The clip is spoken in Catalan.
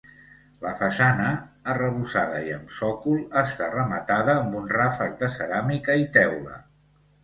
La façana, arrebossada i amb sòcol, està rematada amb un ràfec de ceràmica i teula.